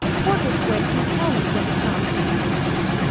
Portlethwaite can tell me when he comes."